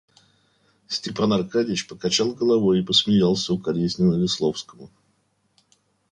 Степан Аркадьич покачал головой и посмеялся укоризненно Весловскому.